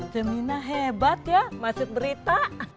cemina hebat ya masuk berita